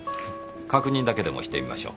確認だけでもしてみましょう。